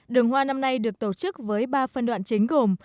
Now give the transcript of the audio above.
đường hoa năm nay được tổ chức với ba phân đoạn chính gồm